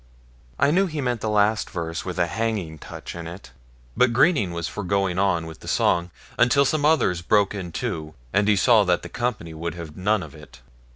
I knew he meant the last verse with a hanging touch in it; but Greening was for going on with the song, until some others broke in too, and he saw that the company would have none of it.